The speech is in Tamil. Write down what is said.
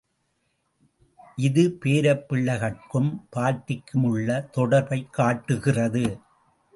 இது பேரப்பிள்ளைகட்கும் பாட்டிக்கும் உள்ள தொடர்பைக் காட்டுகிறது.